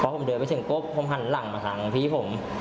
ผมเดินไปถึงปุ๊บผมหันหลังมาทางพี่ผม